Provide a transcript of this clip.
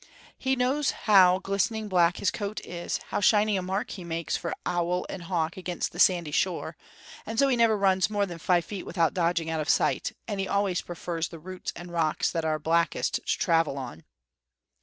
He knows how glistening black his coat is, how shining a mark he makes for owl and hawk against the sandy shore; and so he never runs more than five feet without dodging out of sight; and he always prefers the roots and rocks that are blackest to travel on.